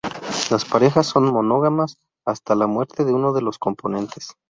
Las parejas son monógamas, hasta la muerte de uno de los componentes.